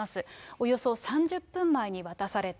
およそ３０分前に渡された。